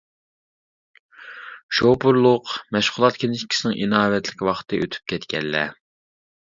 شوپۇرلۇق، مەشغۇلات كىنىشكىسىنىڭ ئىناۋەتلىك ۋاقتى ئۆتۈپ كەتكەنلەر.